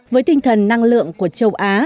với tinh thần năng lượng của châu á